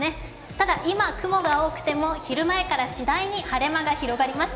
ただ、今雲が多くても昼前からしだいに晴れ間が広がります。